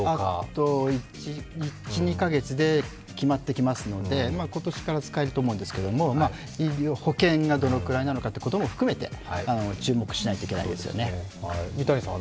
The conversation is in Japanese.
あと１２か月で決まってきますので、今年から使えると思うんですけれども保険がどのくらいなのかということも含めて注目しないといけないですよね。